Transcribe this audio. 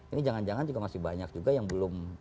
ini jangan jangan juga masih banyak juga yang belum